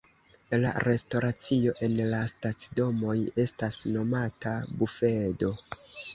La restoracio en la stacidomoj estas nomata bufedo.